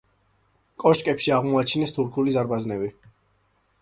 კოშკებში აღმოაჩინეს თურქული ზარბაზნები.